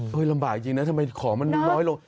ลำบากจริงนะทำไมของมันน้อยลง